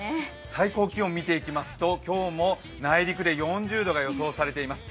最高気温見ていきますと、今日も内陸で４０度が予想されています。